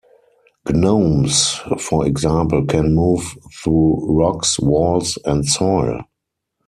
Gnomes, for example, can move through rocks, walls, and soil.